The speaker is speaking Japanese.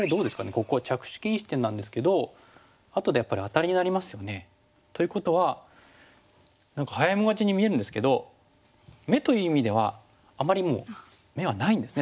ここは着手禁止点なんですけどあとでやっぱりアタリになりますよね。ということは何か早い者勝ちに見えるんですけど眼という意味ではあまりもう眼はないんですね